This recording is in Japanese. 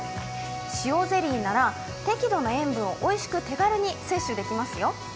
塩ゼリーなら適度な塩分をおいしく手軽に摂取できますよ。